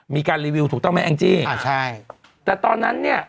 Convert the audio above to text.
มีการรีวิวถูกต้องไหมแองจี้อ่าใช่แต่ตอนนั้นเนี่ย